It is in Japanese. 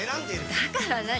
だから何？